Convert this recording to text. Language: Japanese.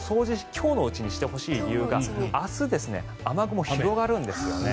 今日のうちにしてほしい理由が明日、雨雲が広がるんですね。